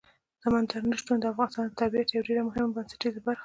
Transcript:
سمندر نه شتون د افغانستان د طبیعت یوه ډېره مهمه او بنسټیزه برخه ده.